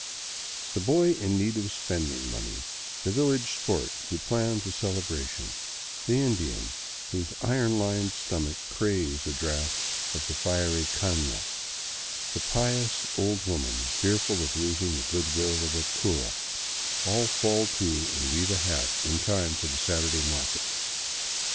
The boy in need of spending money, the village sport who plans a celebration, the Indian whose iron lined stomach craves a draught of the fiery cana, the pious old woman fearful of losing the goodwill of her cura, all fall to and weave a hat in time for the Saturday market.